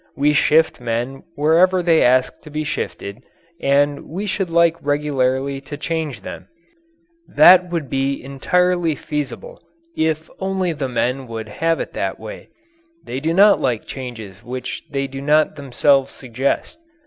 We shift men whenever they ask to be shifted and we should like regularly to change them that would be entirely feasible if only the men would have it that way. They do not like changes which they do not themselves suggest.